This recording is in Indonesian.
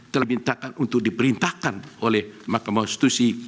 telah dimintakan untuk diperintahkan oleh mahkamah konstitusi